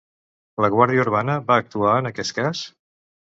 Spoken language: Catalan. La Guàrdia Urbana va actuar en aquest cas?